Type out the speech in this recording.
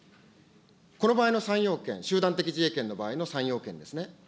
この場合の３要件、集団的自衛権の場合の３要件ですね。